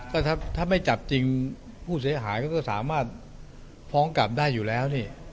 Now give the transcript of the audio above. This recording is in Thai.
ก็ถ้าไม่จับจริงผู้เสียหายก็สามารถฟ้องกลับได้อยู่แล้วนี่